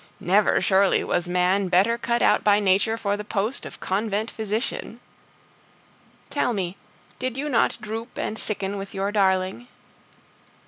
Never surely was man better cut out by nature for the post of convent physician! Tell me, did you not droop and sicken with your darling?